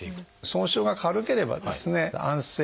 損傷が軽ければですね安静。